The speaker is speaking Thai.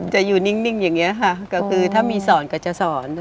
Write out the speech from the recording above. จะอยู่นิ่งอย่างนี้ค่ะก็คือถ้ามีสอนก็จะสอน